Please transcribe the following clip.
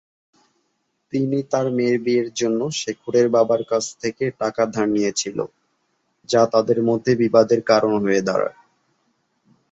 তিনি তার মেয়ের বিয়ের জন্য শেখরের বাবার কাছ থেকে টাকা ধার নিয়েছিল, যা তাদের মধ্যে বিবাদের কারণ হয়ে দাড়ায়।